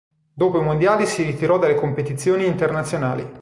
Dopo i Mondiali si ritirò dalle competizioni internazionali.